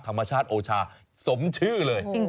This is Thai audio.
ธรรมชาติโอชาสมชื่อเลย